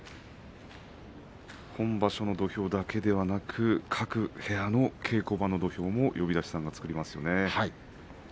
本場所の土俵だけではなく各部屋の稽古場の土俵も呼出しさんが作りますよね。